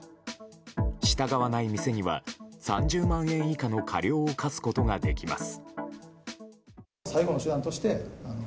従わない店には３０万円以下の過料を科すことができます。